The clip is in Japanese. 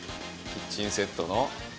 キッチンセットの。